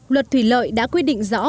luật thủy lợi đã quy định rõ